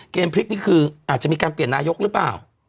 พลิกนี่คืออาจจะมีการเปลี่ยนนายกหรือเปล่า